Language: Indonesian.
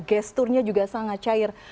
gesturnya juga sangat cair